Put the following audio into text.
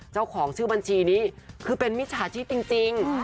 เจ้าของชื่อบัญชีนี้คือเป็นมิจฉาชีพจริง